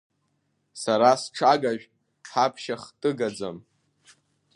Сара сҽагажә ҳаԥшьахтыгаӡам.